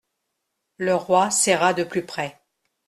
Le roi serra de plus près.